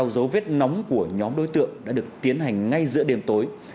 hướng điều tra truy theo dấu vết nóng của nhóm đối tượng đã được tiến hành ngay giữa đêm tối